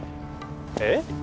えっ？